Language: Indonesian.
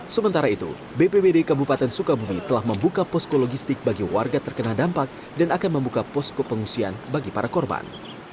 sementara itu bpbd kabupaten sukabumi telah membuka posko logistik bagi warga terkena dampak dan akan membuka posko pengungsian bagi para korban